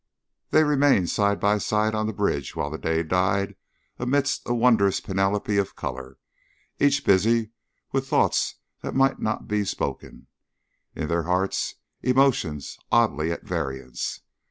They remained side by side on the bridge while the day died amidst a wondrous panoply of color, each busied with thoughts that might not be spoken, in their hearts emotions oddly at variance.